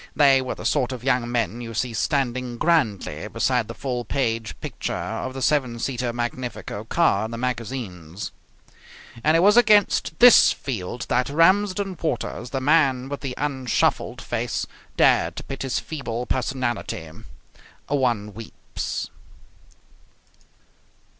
They were the sort of young men you see standing grandly beside the full page picture of the seven seater Magnifico car in the magazines. And it was against this field that Ramsden Waters, the man with the unshuffled face, dared to pit his feeble personality. One weeps.